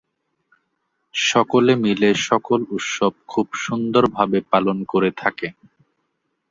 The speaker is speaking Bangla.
সকলে মিলে সকল উৎসব খুব সুন্দর ভাবে পালন করে থাকে।